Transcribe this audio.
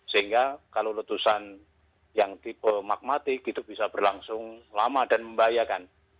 sehingga kalau letusan yang tipe magmatik itu bisa berlangsung lama dan membahayakan